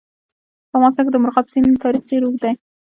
په افغانستان کې د مورغاب سیند تاریخ ډېر اوږد دی.